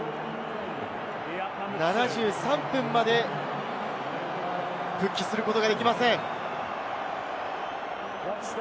７３分まで復帰することができません。